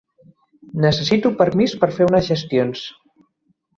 Necessito permís per fer unes gestions.